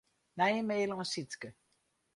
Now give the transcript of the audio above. Nije mail oan Sytske.